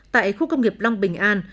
tại khu công nghiệp long bình an